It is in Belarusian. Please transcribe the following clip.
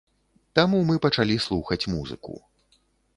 Таму мы пачалі слухаць музыку.